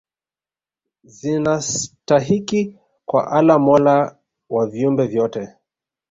zinastahiki kwa Allah mola wa viumbe vyote